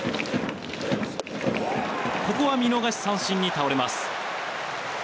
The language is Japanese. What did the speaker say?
ここは見逃し三振に倒れます。